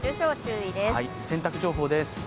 洗濯情報です。